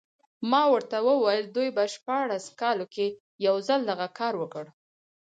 ما ورته وویل دوی په شپاړس کال کې یو ځل دغه کار وکړ.